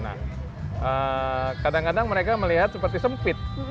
nah kadang kadang mereka melihat seperti sempit